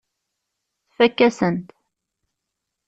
Tfakk-asen-t.